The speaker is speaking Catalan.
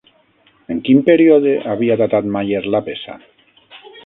En quin període havia datat Mayer la peça?